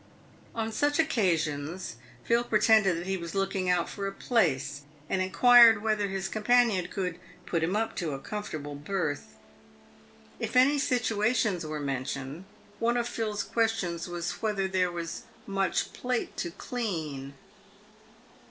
On such occasions, Phil pre tended that he was looking out for a "place," and inquired whether his companion could " put him up to" a comfortable berth. If any situations were mentioned, one of Phil's questions was whether " there was much plate to clean."